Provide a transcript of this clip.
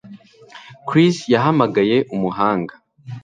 Chris yahamagaye umuhanga